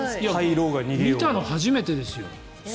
見たの初めてですよ。